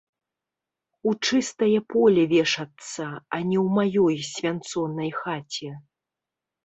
У чыстае поле вешацца, а не ў маёй свянцонай хаце.